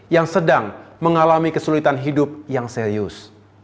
yang sedang mengalami kesulitan hidup yang serius